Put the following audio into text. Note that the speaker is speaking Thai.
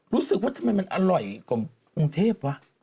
รู้สึกว่าทำไมมันอร่อยกว่ากรุงเทพวะ